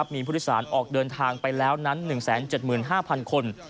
มีผู้โดยสารออกเดินทางไปแล้วนั้น๑๗๕๐๐คน